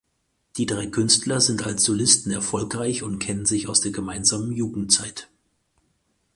Die drei Künstler sind als Solisten erfolgreich und kennen sich aus der gemeinsamen Jugendzeit.